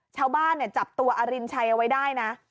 ชาวบ้านจับตัวอรินชัยเอาไว้ได้นะ